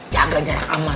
jaga jarak aman